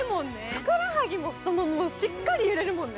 ふくらはぎも太ももしっかり揺れるもんね。